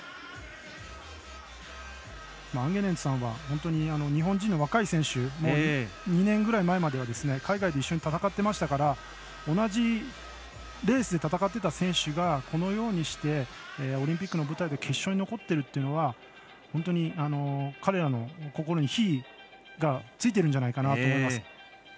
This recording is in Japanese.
アンゲネントさんは本当に日本人の若い選手も２年ぐらい前までは海外で一緒に戦ってましたから同じレースで戦ってた選手がこのようにしてオリンピックの舞台で決勝に残っているというのは本当に彼らの心に火がついているんじゃないかなと思います。